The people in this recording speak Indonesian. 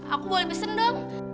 aku boleh pesen dong